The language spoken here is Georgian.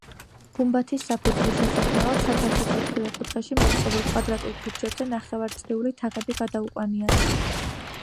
გუმბათის საფუძვლის შესაქმნელად სათავსის ოთხივე კუთხეში მოწყობილ კვადრატულ ბურჯებზე ნახევარწრიული თაღები გადაუყვანიათ.